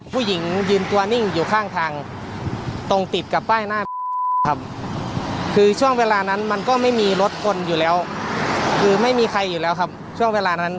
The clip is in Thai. ผู้หญิงยืนตัวนิ่งอยู่ข้างทางตรงติดกับป้ายหน้าคือช่วงเวลานั้น